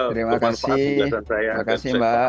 terima kasih terima kasih mbak